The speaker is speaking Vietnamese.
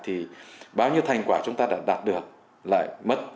thì bao nhiêu thành quả chúng ta đã đạt được lại mất